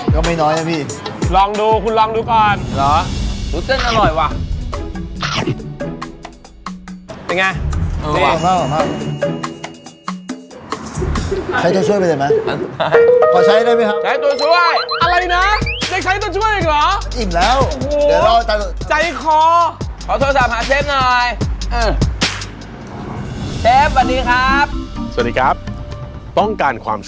ก็ไม่น้อยนะพี่ลองดูคุณลองดูก่อน